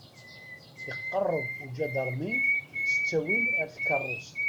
Iqeṛṛeb ujadermi s ttawil ar tkeṛṛust.